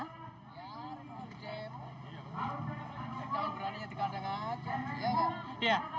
ya menurut saya